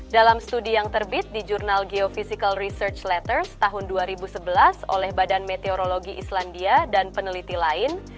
dalam studi yang terbit di jurnal geofisical research letters tahun dua ribu sebelas oleh badan meteorologi islandia dan peneliti lain